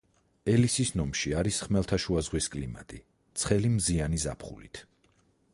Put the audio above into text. ელისის ნომში არის ხმელთაშუა ზღვის კლიმატი, ცხელი, მზიანი ზაფხულით.